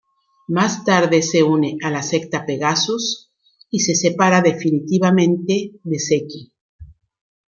Más tarde se une a la secta Pegasus, y se separa definitivamente de Seki.